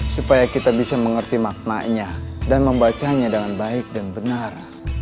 supaya kita bisa mengerti maknanya dan membacanya dengan baik dan benar